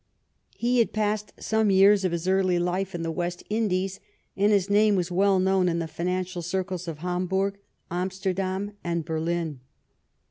He had passed some years of his early life in the West Indies, and his name was well known in the financial circles of Hamburg, Amsterdam, and Berlin.